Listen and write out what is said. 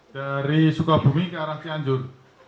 dari sukabumi ke arah cianjur